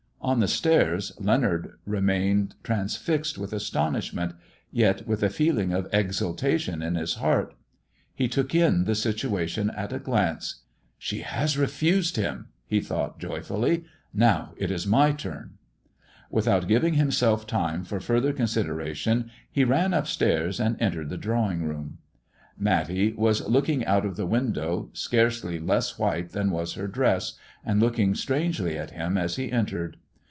On the stairs Leonard remained transfixed with astonishment, yet with a feeling of exultation in his heart. He took in the situation at a glance. " She has refused him !" he thought, joyfully. " Now it is my turn 1 " Without giving himself time for further consideration, he ran up stairs and entered the drawing room. Matty was looking out of the window, scarcely less white than was her dress, and looked strangely at him as he entered.